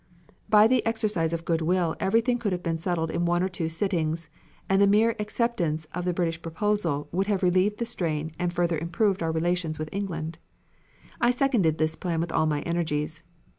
By the exercise of good will everything could have been settled in one or two sittings, and the mere acceptance of the British proposal would have relieved the strain and further improved our relations with England. I seconded this plan with all my energies.